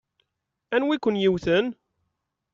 Anwi i ken-yewwten?